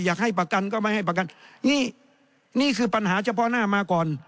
อยากให้ประกันก็ไม่ให้ประกันนี่นี่คือปัญหาเฉพาะหน้ามาก่อน